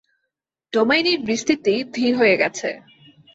ডোমেইনের বিস্তৃতি ধীর হয়ে গেছে।